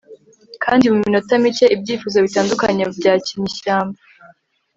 kandi muminota mike ibyifuzo bitandukanye byakinnye ishyamba